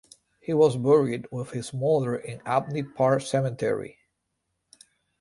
He was buried with his mother in Abney Park Cemetery.